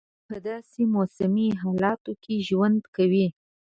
دوی په داسي موسمي حالاتو کې ژوند کوي.